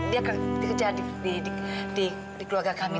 dia kerja di keluarga kami